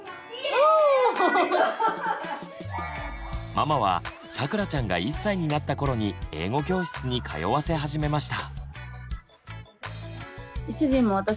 ママはさくらちゃんが１歳になった頃に英語教室に通わせ始めました。